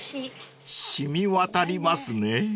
［染み渡りますね］